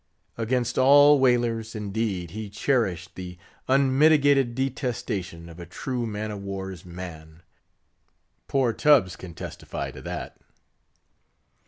Against all whalers, indeed, he cherished the unmitigated detestation of a true man of war's man. Poor Tubbs can testify to that.